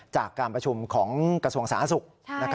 จากการประชุมของกระทรวงสาธารณสุข